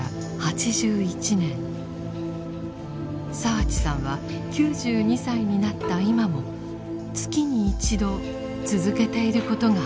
澤地さんは９２歳になった今も月に一度続けていることがあります。